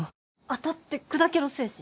当たって砕けろ精神で